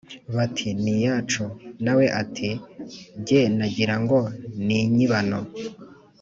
bati « ni iyacu.» na we ati « jye nagira ngo ni inyibano!